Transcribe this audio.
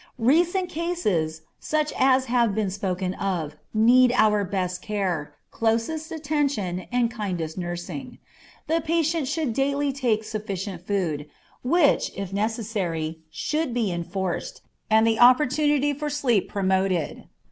Recent cases, such as have been spoken of, need our best care, closest attention, and kindest nursing. The patient should daily take sufficient food, which, if necessary, should be enforced, and the opportunity for sleep promoted.